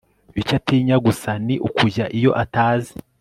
icyo atinya gusa ni ukujya iyo atazi.